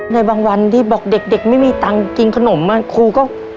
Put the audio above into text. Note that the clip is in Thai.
ในบางวันที่บอกเด็กไม่มีตังค์กินขนมอ่ะครูก็